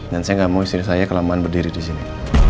dan saya gak mau istri saya kelamaan berdiri disini